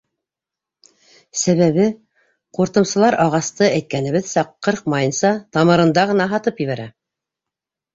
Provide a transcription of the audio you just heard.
Сәбәбе — ҡуртымсылар ағасты, әйткәнебеҙсә, ҡырҡмайынса, тамырында ғына һатып ебәрә.